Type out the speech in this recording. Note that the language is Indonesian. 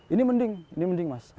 ini mending ini mending mas